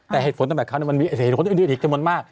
แต่เหตุผลตามแบบเขามันมีเหตุผลที่ด้วยอีกจำนวนมาก